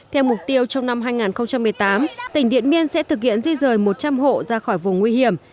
theo mục tiêu trong năm hai nghìn một mươi tám tỉnh điện biên sẽ thực hiện di rời một trăm linh hộ ra khỏi vùng nguy hiểm